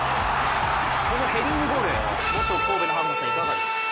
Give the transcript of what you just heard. このヘディングゴールもと神戸のハーフナーさん、いかがですか？